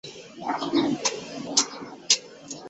外积也可视作是矩阵的克罗内克积的一种特例。